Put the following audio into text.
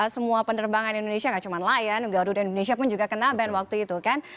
semua penerbangan indonesia gak cuma lion garuda indonesia pun juga kena band waktu itu kan